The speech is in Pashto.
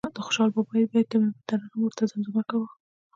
د خوشال بابا بیت به مې په ترنم ورته زمزمه کاوه.